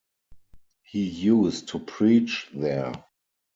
He used to preach there.